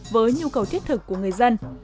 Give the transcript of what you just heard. với nhu cầu thiết thực của người dân